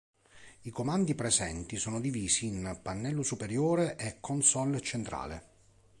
I comandi presenti sono divisi in pannello superiore e console centrale.